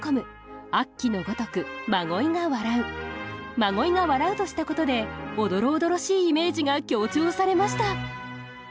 「真鯉が笑う」としたことでおどろおどろしいイメージが強調されました